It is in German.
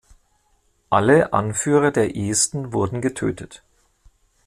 Alle Anführer der Esten wurden getötet.